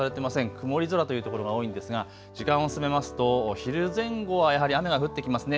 曇り空というところが多いんですが、時間を進めますと、お昼前後はやはり雨が降ってきますね。